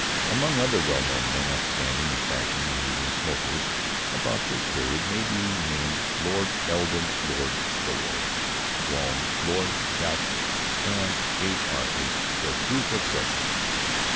Among other well known men of standing and fashion who were smokers about this period may be named Lord Eldon, Lord Stowell, Brougham, Lord Calthorp and H.R.H. the Duke of Sussex.